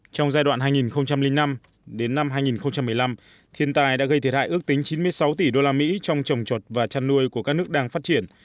trong giai đoạn hai nghìn năm đến năm hai nghìn một mươi năm thiên tài đã gây thiệt hại ước tính chín mươi sáu tỷ usd trong trồng trọt và chăn nuôi của các nước đang phát triển